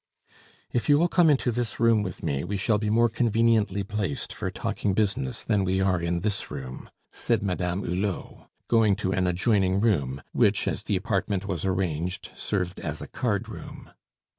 "If you will come into this room with me, we shall be more conveniently placed for talking business than we are in this room," said Madame Hulot, going to an adjoining room, which, as the apartment was arranged, served as a cardroom.